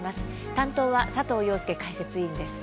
担当は佐藤庸介解説委員です。